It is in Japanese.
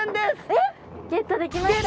えっゲットできましたね。